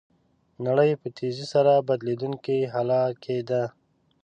نړۍ په تېزۍ سره بدلیدونکي حالت کې ده.